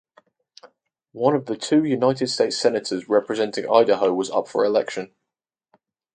One of the two United States Senators representing Idaho was up for election.